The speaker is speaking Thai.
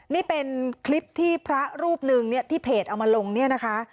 นี่เป็นคลิปที่พระรูปหนึ่งเนี่ยที่เพจเอามาลงเนี่ยนะคะ